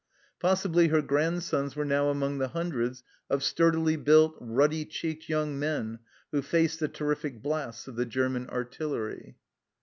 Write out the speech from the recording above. Possibly her grandsons were now among the hundreds of sturdily built, ruddy cheeked young men who faced the terrific blasts of the German artillery.